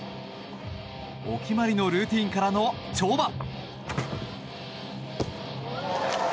お決まりのルーティンからの跳馬。